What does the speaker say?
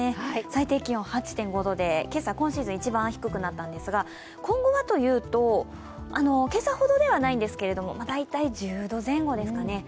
最低気温８．５で今シーズン一番低くなったんですが、今後はというと、今朝ほどではないんですけれども、大体１０度前後ですかね